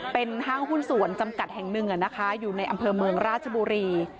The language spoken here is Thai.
เป็นห้างหุ้นสวนจำกัดแห่งหนึ่งอยู่ในอำเภอเมืองราชบุรี